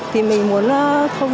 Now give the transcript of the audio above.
thì mình muốn